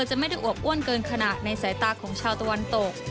จะไม่ได้อวบอ้วนเกินขนาดในสายตาของชาวตะวันตก